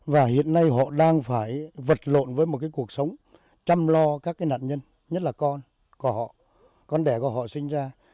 và hiện nay họ đang phải vật lộn với một cuộc sống chăm lo các nạn nhân nhất là con của họ con đẻ của họ sinh ra